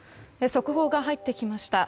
速報が入ってきました。